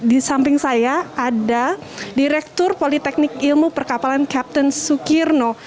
di samping saya ada direktur politeknik ilmu perkapalan captain sukirno